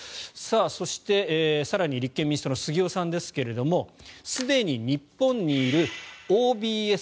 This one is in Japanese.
そして更に立憲民主党の杉尾さんですがすでに日本にいるＯＢＳ。